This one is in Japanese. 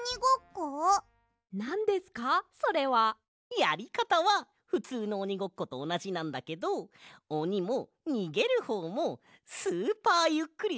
やりかたはふつうのおにごっことおなじなんだけどおにもにげるほうもスーパーゆっくりうごかないとだめなんだ！